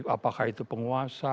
apakah itu penguasa